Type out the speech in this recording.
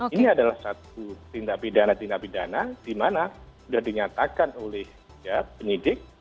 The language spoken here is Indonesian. ini adalah satu tindak pidana tindak pidana di mana sudah dinyatakan oleh penyidik